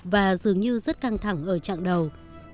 và dường như rất căng thẳng ở trạng đầu